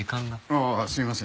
ああすいません。